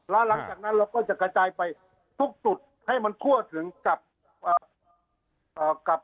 แล้วหลังจากนั้นเราก็จะกระจายไปทุกจุดให้มันทั่วถึงกับ